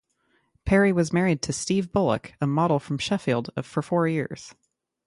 Perry was married to Steve Bullock, a model from Sheffield, for four years.